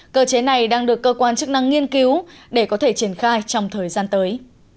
cơ chế này đang được cơ quan chức năng nghiên cứu để có thể triển khai trong thời gian tới